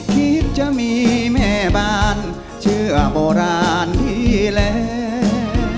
คิดจะมีแม่บ้านเชื่อโบราณที่แล้ว